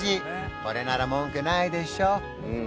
これなら文句ないでしょ？